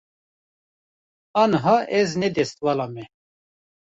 Aniha ez ne destvala me.